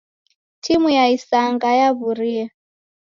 Timu ya isanga yaw'urie.